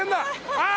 ああ！